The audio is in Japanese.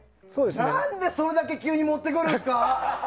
何で、それだけ急に持ってくるんですか？